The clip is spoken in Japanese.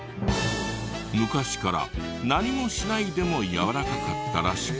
昔から何もしないでもやわらかかったらしく。